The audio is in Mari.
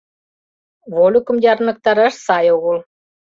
Вольыкым ярныктараш сай огыл.